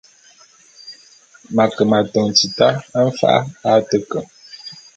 M’ake m’atôn tita mfa’a a te ke.